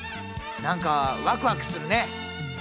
何かワクワクするね。